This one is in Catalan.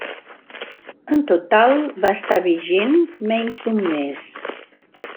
En total, va estar vigent menys d'un mes.